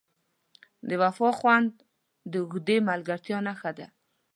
د وفا خوند د اوږدې ملګرتیا نښه ده.